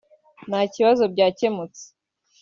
ntakibazo byakemutse